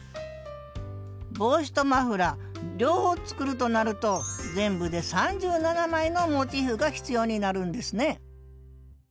帽子とマフラー両方作るとなると全部で３７枚のモチーフが必要になるんですね